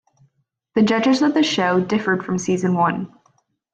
The judges of the show differed from season one.